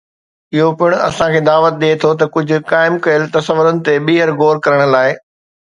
اهو پڻ اسان کي دعوت ڏئي ٿو ته ڪجهه قائم ڪيل تصورن تي ٻيهر غور ڪرڻ لاء.